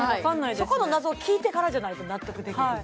そこの謎を聞いてからじゃないと納得できへんね